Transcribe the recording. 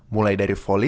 mulai dari volley